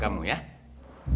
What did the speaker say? jangan sama sama sama kamu ya